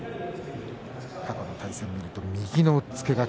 過去の対戦を見ると右の押っつけが